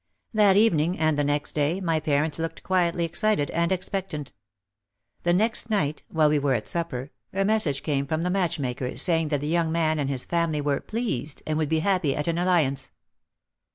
That evening and the next day my parents looked quietly excited and expectant. The next night, while we were at supper, a message came from the matchmaker saying that the young man and his family were "pleased" and would be happy at an "alliance."